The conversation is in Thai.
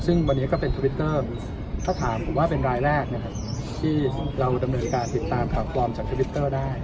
ซึ่งวันนี้ก็เป็นทวิตเตอร์ถ้าถามผมว่าเป็นรายแรกนะครับที่เราดำเนินการติดตามข่าวปลอมจากทวิตเตอร์ได้